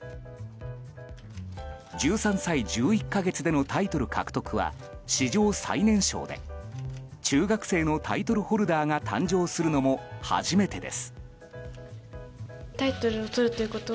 １３歳１１か月でのタイトル獲得は史上最年少で中学生のタイトルホルダーが誕生するのも初めてです。